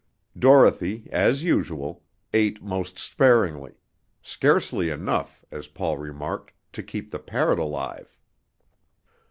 Dorothy, as usual, ate most sparingly, "scarcely enough," as Paul remarked, "to keep the parrot alive."